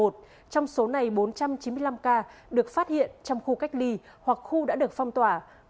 trong số này bốn trăm chín mươi năm ca được phát hiện trong khu cách ly hoặc khu đã được phong tỏa